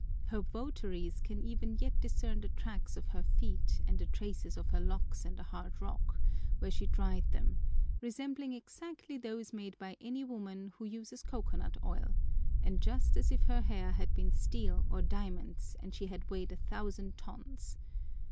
Her votaries can even yet discern the tracks of her feet and the traces of her locks in the hard rock, where she dried them, resembling exactly those made by any woman who uses coconut oil, and just as if her hair had been steel or diamonds and she had weighed a thousand tons.